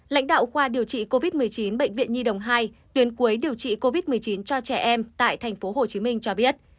lãnh đạo khoa điều trị covid một mươi chín bệnh viện nhi đồng hai tuyến cuối điều trị covid một mươi chín cho trẻ em tại thành phố hồ chí minh cho biết